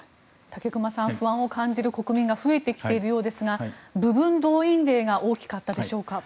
武隈さん、不安を感じる国民が増えてきているようですが部分動員令が大きかったでしょうか。